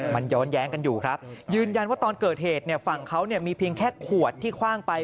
มันย้อนแย้งกันอยู่ครับยืนยันว่าตอนเกิดเหตุเนี่ยฝั่งเขาเนี่ยมีเพียงแค่ขวดที่คว่างไป